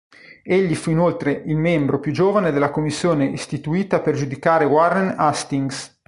Egli fu inoltre il membro più giovane della commissione istituita per giudicare Warren Hastings.